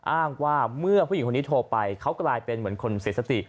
อ้างว่าเมื่อผู้หญิงคนนี้โทรไปเขากลายเป็นเหมือนคนเสียสติ